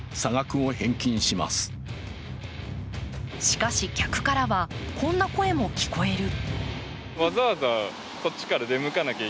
しかし客からはこんな声も聞こえる。